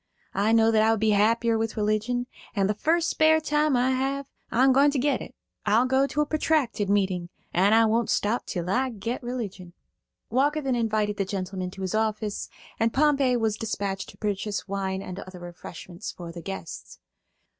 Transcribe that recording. I know that I would be happier with religion, and the first spare time I have I'm going to get it. I'll go to a protracted meeting, and won't stop till I get religion." Walker then invited the gentlemen to his office, and Pompey was dispatched to purchase wine and other refreshments for the guests.